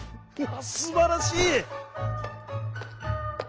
すばらしい！」。